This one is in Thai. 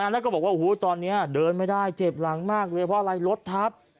แล้วก็บอกว่าตอนนี้เดินไม่ได้เจ็บหลังมากเลยเพราะอะไรรถทับ